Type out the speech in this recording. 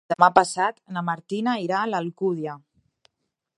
Demà passat na Martina irà a l'Alcúdia.